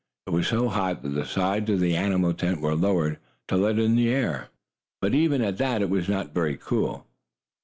It was so hot that the sides of the animal tent were lowered to let in the air, but, even at that it was not very cool.